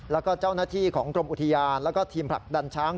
แล้วก็เจ้าหน้าที่ของกรมอุทยานแล้วก็ทีมผลักดันช้าง